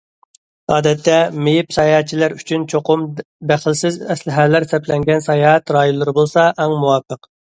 ئادەتتە، مېيىپ ساياھەتچىلەر ئۈچۈن چوقۇم دەخلىسىز ئەسلىھەلەر سەپلەنگەن ساياھەت رايونلىرى بولسا ئەڭ مۇۋاپىق.